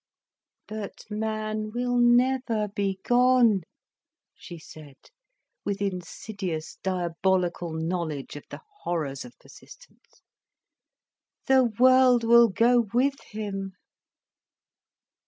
"But man will never be gone," she said, with insidious, diabolical knowledge of the horrors of persistence. "The world will go with him."